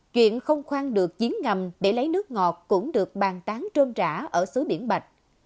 chuyện không khoan được chiến ngầm để lấy nước ngọt cũng được bàn tán trôn trả ở xứ viễn bạch